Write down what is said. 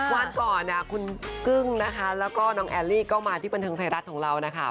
วันก่อนคุณกึ้งนะคะแล้วก็น้องแอลลี่ก็มาที่บันเทิงไทยรัฐของเรานะคะ